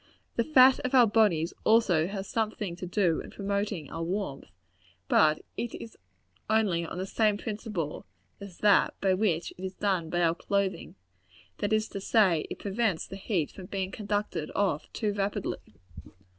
The fat of our bodies has also something to do in promoting our warmth; but it is only on the same principle as that by which it is done by our clothing; that is to say, it prevents the heat from being conducted off too rapidly.